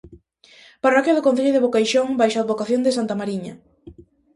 Parroquia do concello de Boqueixón baixo a advocación de santa Mariña.